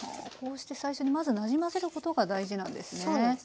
こうして最初にまずなじませることが大事なんですね。